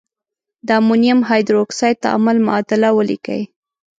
د امونیم هایدرواکساید تعامل معادله ولیکئ.